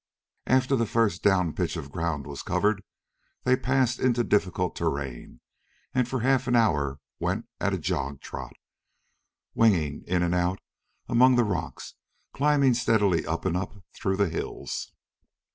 After the first down pitch of ground was covered they passed into difficult terrain, and for half an hour went at a jog trot, winging in and out among the rocks, climbing steadily up and up through the hills.